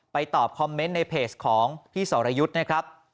ตอบคอมเมนต์ในเพจของพี่สรยุทธ์นะครับ